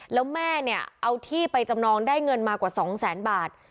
แล้วแม่เนี่ยเอาที่ไปจำนองได้เงินมากว่า๒แสนบาท